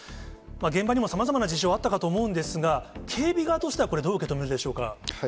現場にもさまざまな事情あったかと思うんですが、警備側としては、これ、どう受け止められるでしょうか。